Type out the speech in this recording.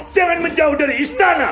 semen menjauh dari istana